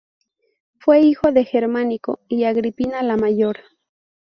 Fue hijo de Germánico y Agripina la Mayor.